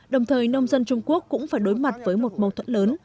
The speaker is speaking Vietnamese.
đồng thời nông dân trung quốc cũng phải đối mặt với một mâu thuẫn lớn